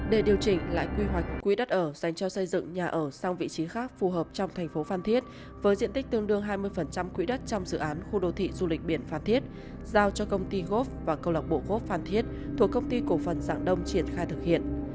để điều chỉnh lại quy hoạch quỹ đất ở dành cho xây dựng nhà ở sang vị trí khác phù hợp trong thành phố phan thiết với diện tích tương đương hai mươi quỹ đất trong dự án khu đô thị du lịch biển phan thiết giao cho công ty golf và câu lạc bộ gốc phan thiết thuộc công ty cổ phần giảng đông triển khai thực hiện